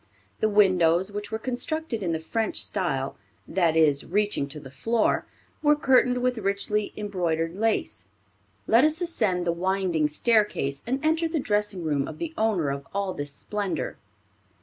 The windows, which were constructed in the French style, that is, reaching to the floor, were curtained with richly embroidered lace. Let us ascend the winding staircase, and enter the dressing room of the owner of all this splendor.